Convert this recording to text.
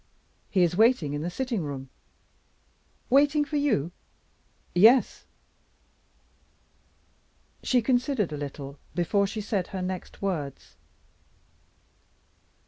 "He is waiting in the sitting room." "Waiting for you?" "Yes." She considered a little before she said her next words.